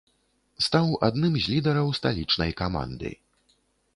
Стаў адным з лідараў сталічнай каманды.